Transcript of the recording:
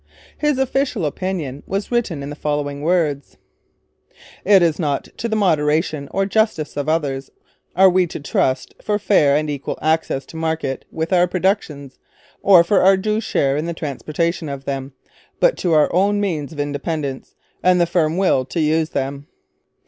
His official opinion was written in the following words: 'It is not to the moderation or justice of others we are to trust for fair and equal access to market with our productions, or for our due share in the transportation of them; but to our own means of independence, and the firm will to use them.'